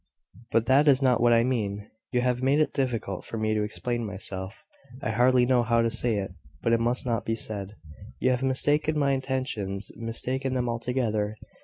"But that is not what I mean. You have made it difficult for me to explain myself. I hardly know how to say it; but it must be said. You have mistaken my intentions, mistaken them altogether."